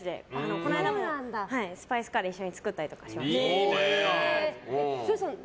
この間もスパイスカレー一緒に作ったりしました。